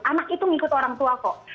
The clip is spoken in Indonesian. anak itu ngikut orang tua kok